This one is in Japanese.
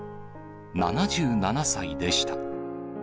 ７７歳でした。